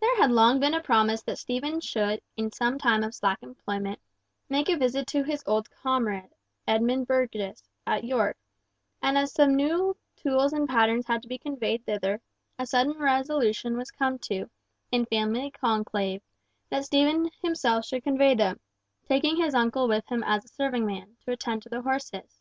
There had long been a promise that Stephen should, in some time of slack employment, make a visit to his old comrade, Edmund Burgess, at York; and as some new tools and patterns had to be conveyed thither, a sudden resolution was come to, in family conclave, that Stephen himself should convey them, taking his uncle with him as a serving man, to attend to the horses.